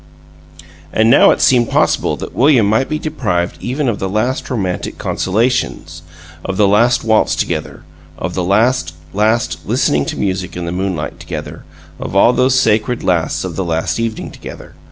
And now it seemed possible that William might be deprived even of the last romantic consolations: of the "last waltz together," of the last, last "listening to music in the moonlight together"; of all those sacred lasts of the "last evening together."